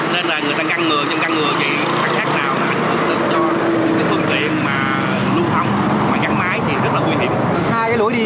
nên là người ta găng ngừa nhưng găng ngừa vậy thật khác đạo là hướng dẫn cho những cái phương tiện mà lưu thống mà gắn máy thì rất là nguy hiểm